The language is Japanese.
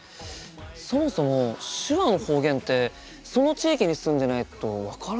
そもそも手話の方言ってその地域に住んでないと分からないよね。